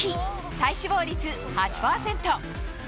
体脂肪率８％。